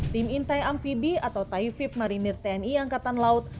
tim intai amfibi atau tayufib marinir tni angkatan laut